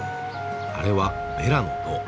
あれはベラの塔。